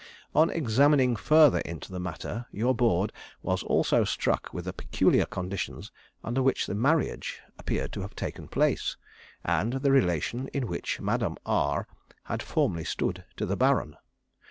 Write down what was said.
On examining further into the matter your Board was also struck with the peculiar conditions under which the marriage appeared to have taken place, and the relation in which Madame R had formerly stood to the Baron.